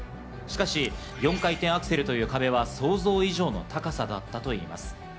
しかし４回転アクセルという壁は想像以上の高さだったといいます。